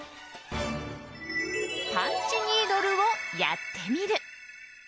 パンチニードルをやってみる。